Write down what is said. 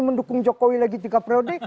mendukung jokowi lagi tiga periode